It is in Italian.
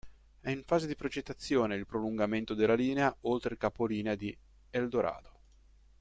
È in fase di progettazione il prolungamento della linea oltre il capolinea di Eldorado.